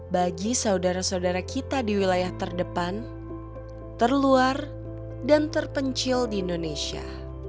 bagi saudara saudara kita di wilayah terdepan terluar dan terpencil di indonesia